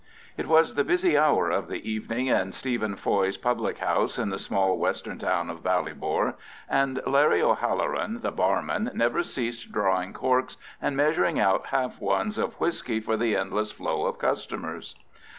It was the busy hour of the evening in Stephen Foy's public house in the small western town of Ballybor, and Larry O'Halloran, the barman, never ceased drawing corks and measuring out "half ones" of whisky for the endless flow of customers.